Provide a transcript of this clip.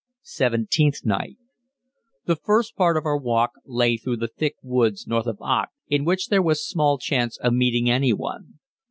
Seventeenth Night. The first part of our walk lay through the thick woods north of Aach, in which there was small chance of meeting anyone.